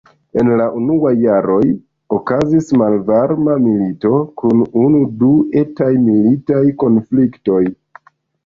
En la unuaj jaroj okazis malvarma milito kun unu-du etaj militaj konfliktoj.